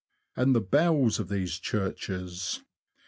And the bells of these churches